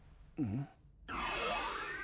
ん？